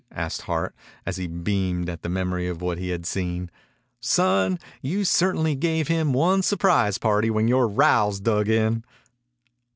asked Hart, and he beamed at the memory of what he had seen. "Son, you ce'tainly gave him one surprise party when yore rowels dug in."